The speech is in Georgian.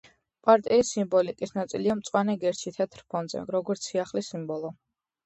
პარტიის სიმბოლიკის ნაწილია მწვანე გირჩი თეთრ ფონზე, როგორც სიახლის სიმბოლო.